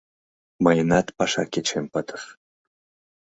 — Мыйынат паша кечем пытыш.